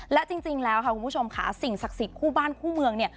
และจริงแล้วค่ะคุณผู้ชมค่ะสิ่งศักดิ์สิทธิ์คู่บ้านคู่เมือง